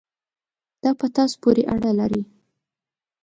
دا په تاسو پورې اړه لري.